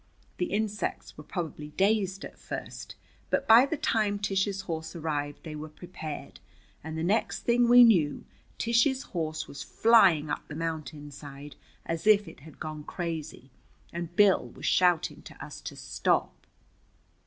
The insects were probably dazed at first, but by the time Tish's horse arrived they were prepared, and the next thing we knew Tish's horse was flying up the mountain side as if it had gone crazy, and Bill was shouting to us to stop.